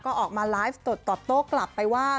ก็ออกมาไลฟ์สดตอบโต้กลับไปว่า